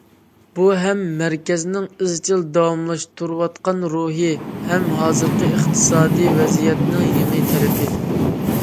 بۇ، ھەم مەركەزنىڭ ئىزچىل داۋاملاشتۇرۇۋاتقان روھى، ھەم ھازىرقى ئىقتىسادىي ۋەزىيەتنىڭ يېڭى تەلىپى.